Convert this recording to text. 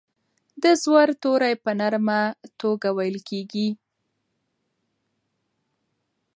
د زور توری په نرمه توګه ویل کیږي.